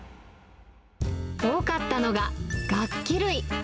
多かったのが楽器類。